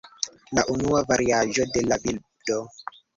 La unua variaĵo de la bildo.